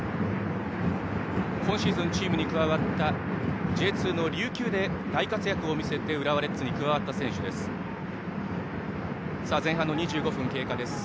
今シーズンチームに加わったＪ２の琉球で大活躍を見せて浦和レッズに加わった選手です。